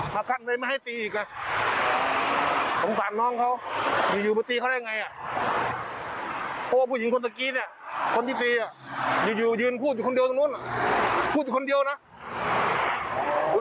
คนที่ตีอ่ะอยู่ยืนพูดอยู่คนเดียวตรงนู้นพูดอยู่คนเดียวนะ